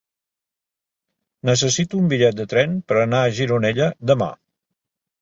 Necessito un bitllet de tren per anar a Gironella demà.